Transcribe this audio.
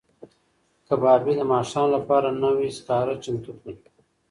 کبابي د ماښام لپاره نوي سکاره چمتو کړل.